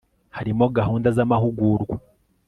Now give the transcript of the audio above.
harimo gahunda z amahugurwa